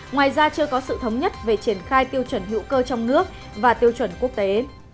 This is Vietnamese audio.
ngoài ra chưa có sự thống nhất về triển khai tiêu chuẩn hữu cơ trong nước và tiêu chuẩn quốc tế